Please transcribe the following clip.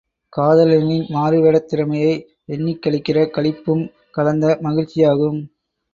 காதலனின் மாறு வேடத் திறமையை எண்ணிக்களிக்கிற களிப்பும் கலந்த மகிழ்ச்சியாகும்.